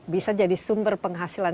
bisa jadi sumber penghasilan